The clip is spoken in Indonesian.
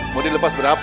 mau dilepas berapa